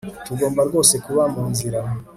Tugomba rwose kuba munzira